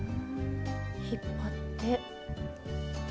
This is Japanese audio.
引っ張って。